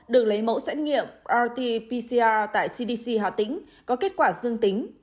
được lấy mẫu xét nghiệm rt pcr tại cdc hà tĩnh có kết quả dương tính